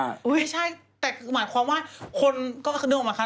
อุ๊ยใช่แต่คือหมายความว่าคนก็คือเดินออกมาค่ะ